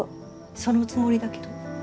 そのつもりだけど。